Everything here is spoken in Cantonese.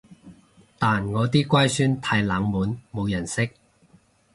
但我啲乖孫太冷門冇人識